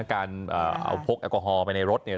การเอาพกแอลกอฮอล์ไปในรถเนี่ย